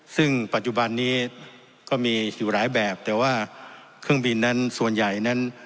ซึ่งปัจจุบันนี้ก็มีอยู่หลายแบบแต่ว่าเครื่องบินนั้นส่วนใหญ่นั้น